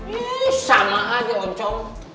ih sama aja loncong